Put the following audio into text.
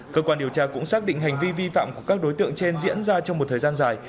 cơ quan điều tra cũng xác định hành vi vi phạm của các đối tượng trên diễn ra trong một thời gian dài